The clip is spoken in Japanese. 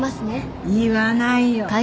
言わないよ。